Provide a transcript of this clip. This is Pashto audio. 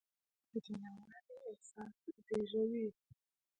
ویره د جلاوالي احساس زېږوي.